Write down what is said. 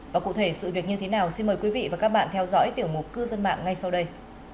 và cụ thể sự việc như thế nào xin mời quý vị và các bạn theo dõi tiểu mục cư dân mạng ngay sau đây